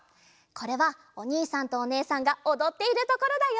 これはおにいさんとおねえさんがおどっているところだよ！